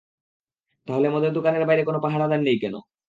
তাহলে মদের দোকানের বাইরে কোনো পাহারাদার নেই কেন?